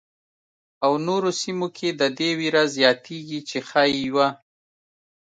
او نورو سیمو کې د دې وېره زیاتېږي چې ښايي یوه.